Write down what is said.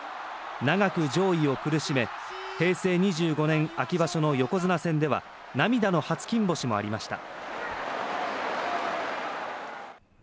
長く上位を苦しめ平成２５秋場所の横綱戦では涙の初金星もありました。